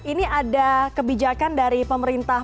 ini ada kebijakan dari pemerintah